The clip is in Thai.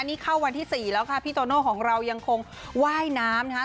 นี่เข้าวันที่๔แล้วค่ะพี่โตโน่ของเรายังคงว่ายน้ำนะคะ